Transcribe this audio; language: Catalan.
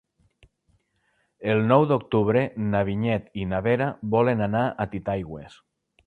El nou d'octubre na Vinyet i na Vera volen anar a Titaigües.